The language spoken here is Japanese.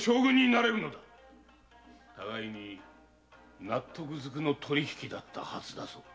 互いに納得ずくの取り引きだったはずだぞ。